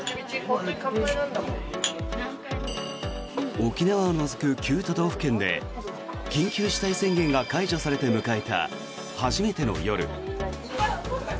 沖縄を除く９都道府県で緊急事態宣言が解除されて迎えた初めての夜。